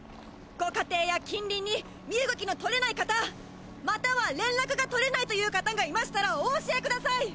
ご家庭や近隣に身動きの取れない方または連絡が取れないという方がいましたらお教えください！